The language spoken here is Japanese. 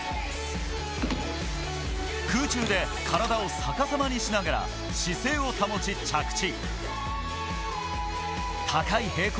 空中で体を逆さまにしながら、姿勢を保ち、着地。